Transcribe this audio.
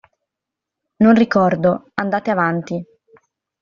Non ricordo; andate avanti